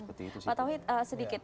pak tauhid sedikit